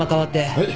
はい。